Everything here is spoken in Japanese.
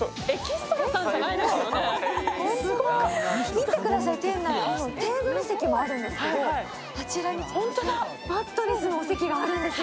見てください、店内、テーブル席もあるんですけど、あちらにマットレスのお席があるんですよ。